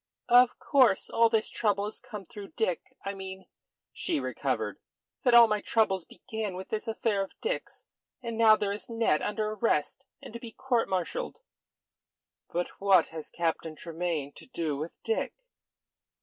"Of course. All this trouble has come through Dick. I mean," she recovered, "that all my troubles began with this affair of Dick's. And now there is Ned under arrest and to be court martialled." "But what has Captain Tremayne to do with Dick?"